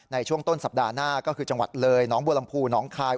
ในช่วงต้นสัปดาห์หน้าก็คือจังหวัดเลยน้องบัวลำพูน้องคาย